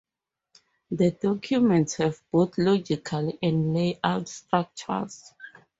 The documents have both logical and layout structures.